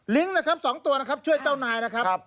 นะครับ๒ตัวนะครับช่วยเจ้านายนะครับ